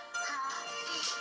jalinkan dari tindak